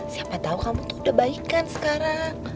siapa tahu kamu tuh udah baik kan sekarang